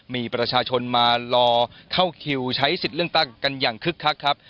มีประชาชนมารอเข้าคิวใช้สิทธิ์เลือกตั้งกันอย่างคึกคักครับ